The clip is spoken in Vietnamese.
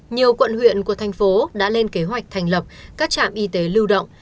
nhiều quận huyện của thành phố đã lên kế hoạch thành lập các trạm y tế lưu động